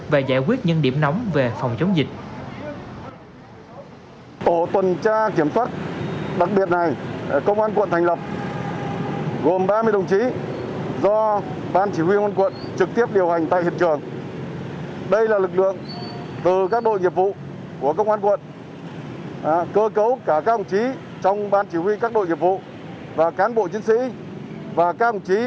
và giải quyết những điểm nóng về phòng chống dịch